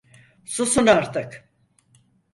Susun artık!